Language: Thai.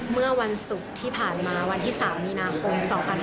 เมื่อวันศุกร์ที่ผ่านมาวันที่๓มีนาคม๒๕๕๙